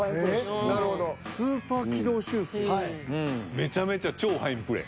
めちゃめちゃ超ファインプレー。